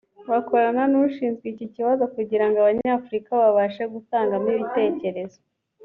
bakorana n’ushinzwe iki kibazo […] kugira ngo Abanyafurika babashe gutangamo ibitekerezo